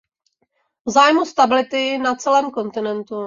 V zájmu stability na celém kontinentu!